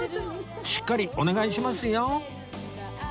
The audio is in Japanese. しっかりお願いしますよ